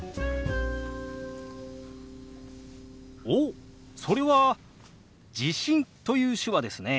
おっそれは「地震」という手話ですね。